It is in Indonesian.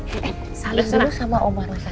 eh salim dulu sama omah nusa